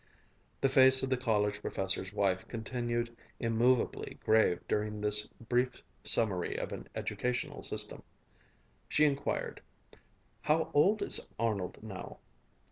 The face of the college professor's wife continued immovably grave during this brief summary of an educational system. She inquired, "How old is Arnold now?"